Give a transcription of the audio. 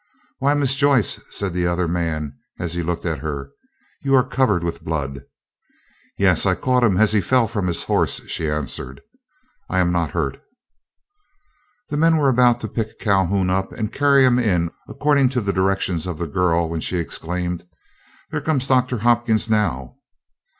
"Why, Miss Joyce," said the other man, as he looked at her, "you are covered with blood." "Yes, I caught him as he fell from his horse," she answered. "I am not hurt." The men were about to pick Calhoun up and carry him in according to the directions of the girl, when she exclaimed, "There comes Doctor Hopkins now."